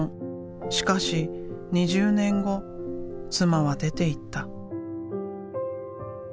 しかし２０年後妻は出ていった。